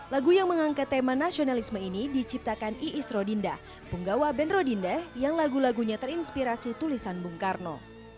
lagu yang mengangkat tema nasionalisme ini diciptakan iis rodinda punggawa ben rodindah yang lagu lagunya terinspirasi tulisan bung karno